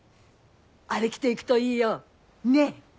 あれ着て行くといいよねっ！